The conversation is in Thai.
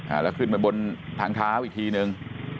อ่าแล้วขึ้นมาบนทางท้าอีกทีหนึ่ง